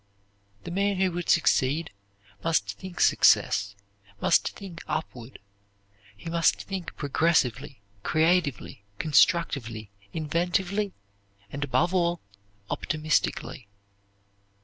The man who would succeed must think success, must think upward. He must think progressively, creatively, constructively, inventively, and, above all, optimistically.